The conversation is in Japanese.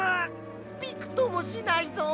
びくともしないぞ！